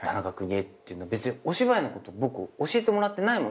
別にお芝居のこと僕教えてもらってないもん